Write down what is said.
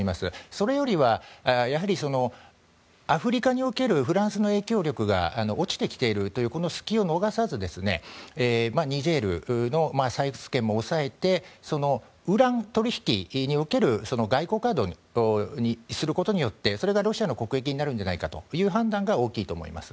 それよりは、アフリカにおけるフランスの影響力が落ちてきているという隙を逃さずニジェールの採掘権も押さえてウラン取引における外交カードにすることによってそれがロシアの国益になるんじゃないかという判断が大きいと思います。